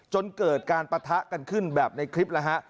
จนเกิดการปะทะกันขึ้นแบบในคลิปแล้วฮะ